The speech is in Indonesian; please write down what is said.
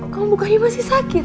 kamu bukannya masih sakit